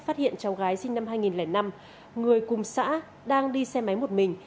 phát hiện cháu gái sinh năm hai nghìn năm người cùng xã đang đi xe máy một mình